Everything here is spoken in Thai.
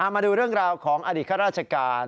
มาดูเรื่องราวของอดีตข้าราชการ